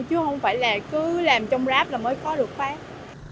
chứ không phải là cứ làm trong ráp là mới có được phát